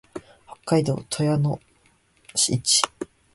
北海道富良野市